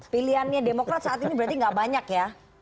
pilihannya demokrat saat ini berarti gak banyak ya